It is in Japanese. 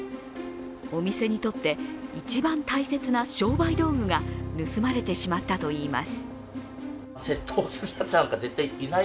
お店にとって一番大切な商売道具が盗まれてしまったといいます。